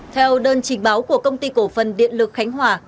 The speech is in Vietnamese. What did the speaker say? theo đơn trình báo của công ty cổ phần điện lực khánh hòa